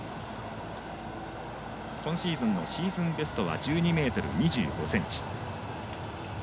今シーズンのシーズンベストは１２ｍ２５ｃｍ。